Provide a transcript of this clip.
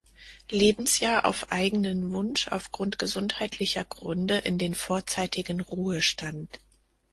Lebensjahr auf eigenen Wunsch aufgrund gesundheitlicher Gründe in den vorzeitigen Ruhestand.